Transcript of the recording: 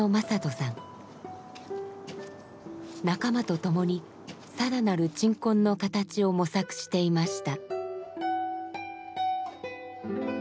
仲間と共に更なる鎮魂の形を模索していました。